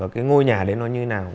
cái ngôi nhà đấy nó như thế nào